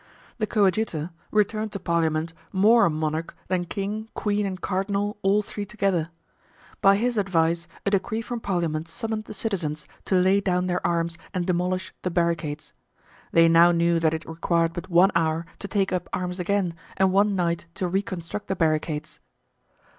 The coadjutor returned to parliament more a monarch than king, queen, and cardinal, all three together. By his advice a decree from parliament summoned the citizens to lay down their arms and demolish the barricades. They now knew that it required but one hour to take up arms again and one night to reconstruct the barricades.